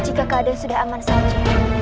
jika keadaan sudah aman saja